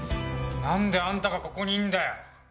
何であんたがここにいんだよ！